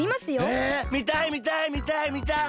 えみたいみたいみたいみたい！